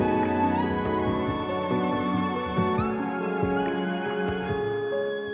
dari yakin ku teguh